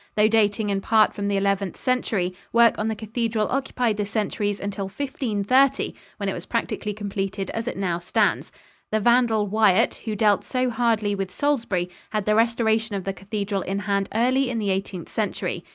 Though dating in part from the Eleventh Century, work on the cathedral occupied the centuries until 1530, when it was practically completed as it now stands. The vandal Wyatt, who dealt so hardly with Salisbury, had the restoration of the cathedral in hand early in the Eighteenth Century.